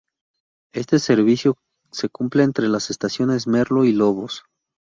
Este servicio se cumple entre las estaciones Merlo y Lobos.